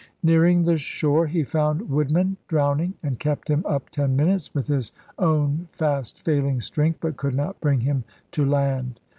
Nearing the shore, he found Woodman drowning, and kept him up ten minutes with his own fast failing strength, but could not bring him to land.